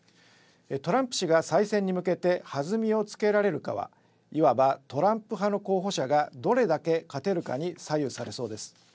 トランプ氏が再選に向けて弾みをつけられるかはいわばトランプ派の候補者がどれだけ勝てるかに左右されそうです。